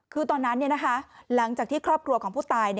คือตอนนั้นหลังจากที่ครอบครัวของผู้ตาย